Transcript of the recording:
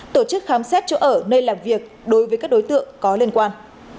tổ chức khám xét chỗ ở nơi làm việc đối với các đối tượng có liên quan